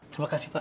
terima kasih pak